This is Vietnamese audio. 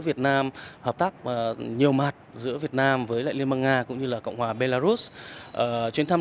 việt nam hợp tác nhiều mặt giữa việt nam với lại liên bang nga cũng như là cộng hòa belarus chuyến thăm